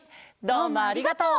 どうもありがとう。